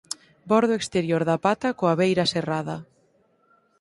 Bordo exterior da pata coa beira serrada.